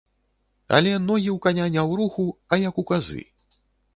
Але ногі ў каня не ў руху, а як у казы.